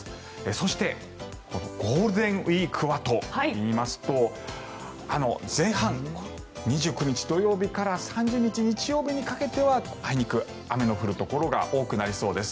そして、ゴールデンウィークはといいますと前半、２９日土曜日から３０日日曜日にかけてはあいにく雨の降るところが多くなりそうです。